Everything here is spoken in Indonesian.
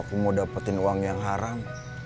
aku mau dapetin uang yang haram